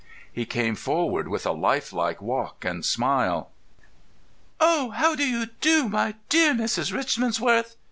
He came forward with a life like walk and smile. "Oh, how do you do, my dear Mrs. Richmansworth?"